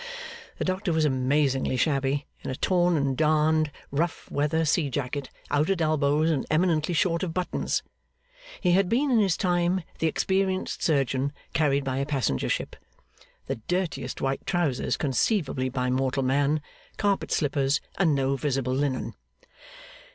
The doctor was amazingly shabby, in a torn and darned rough weather sea jacket, out at elbows and eminently short of buttons (he had been in his time the experienced surgeon carried by a passenger ship), the dirtiest white trousers conceivable by mortal man, carpet slippers, and no visible linen.